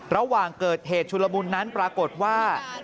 ระหว่างเกิดเหตุชุลมุนนั้นปรากฏว่า